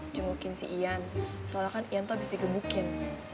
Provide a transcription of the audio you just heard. cengukin si ian soalnya kan ian tuh abis di gebukin